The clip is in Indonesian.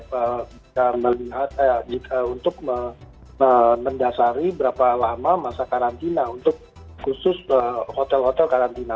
kita melihat untuk mendasari berapa lama masa karantina untuk khusus hotel hotel karantina